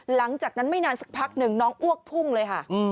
หลังจากนั้นไม่นานสักพักหนึ่งน้องอ้วกพุ่งเลยค่ะ